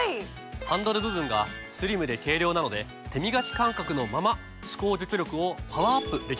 ハンドル部分がスリムで軽量なので手みがき感覚のまま歯垢除去力をパワーアップできるんです。